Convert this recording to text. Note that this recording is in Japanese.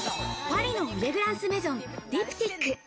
パリのフレグランスメゾン・ディプティック。